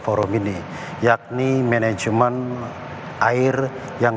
forum ini yakni manajemen air yang